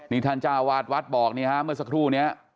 นี่ท่านเจ้าวาดวัดบอกนี่ฮะเมื่อสักครู่นี้